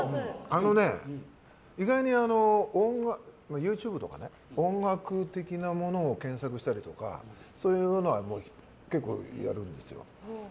意外にＹｏｕＴｕｂｅとか音楽的なものを検索したりとかそういうのは結構やるんですよ。